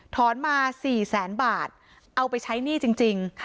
ถอนมา๔๐๐๐๐๐บาทเอาไปใช้หนี้จริง